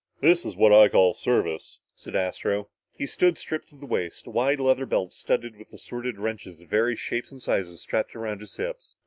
"This is what I call service," said Astro. He stood stripped to the waist, a wide leather belt studded with assorted wrenches of various shapes and sizes strapped around his hips.